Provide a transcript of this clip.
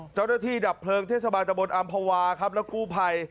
เจ้าหน้าที่ดับเพลิงเทศบาลจบลอามภาวาครับและกู้ภัย